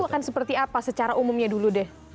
akan seperti apa secara umumnya dulu deh